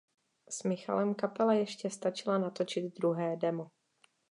S Michalem kapela ještě stačila natočit druhé demo.